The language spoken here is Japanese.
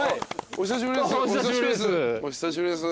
お久しぶりです。